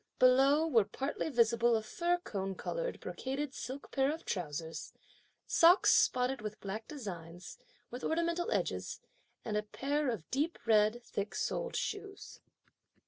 Below were partly visible a fir cone coloured brocaded silk pair of trousers, socks spotted with black designs, with ornamented edges, and a pair of deep red, thick soled shoes.